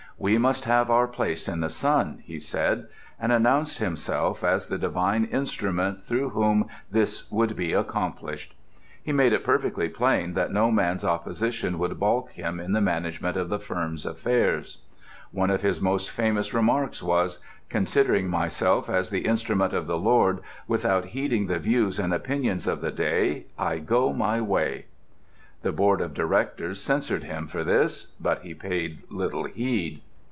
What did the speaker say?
"We must have our place in the sun," he said; and announced himself as the divine instrument through whom this would be accomplished. He made it perfectly plain that no man's opposition would balk him in the management of the firm's affairs. One of his most famous remarks was: "Considering myself as the instrument of the Lord, without heeding the views and opinions of the day, I go my way." The board of directors censured him for this, but he paid little heed.